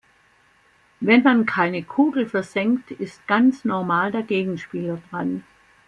Wenn man keine Kugel versenkt, ist ganz normal der Gegenspieler dran.